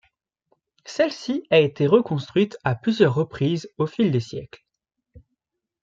Celle-ci a été reconstruite à plusieurs reprises au fil des siècles.